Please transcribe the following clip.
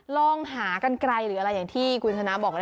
ลองหากันไกลหรืออะไรอย่างที่คุณชนะบอกเลย